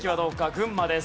群馬です。